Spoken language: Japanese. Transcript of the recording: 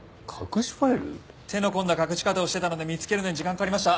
手の込んだ隠し方をしてたので見つけるのに時間かかりました。